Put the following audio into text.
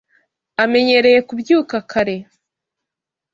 amenyereye kubyuka kare.